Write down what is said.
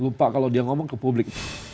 lupa kalau dia ngomong ke publik